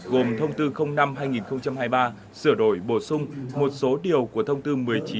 gồm thông tư năm hai nghìn hai mươi ba sửa đổi bổ sung một số điều của thông tư một mươi chín hai nghìn một mươi sáu